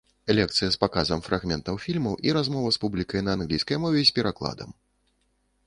Лекцыя з паказам фрагментаў фільмаў і размова з публікай на англійскай мове з перакладам.